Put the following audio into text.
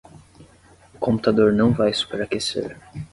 O computador não vai superaquecer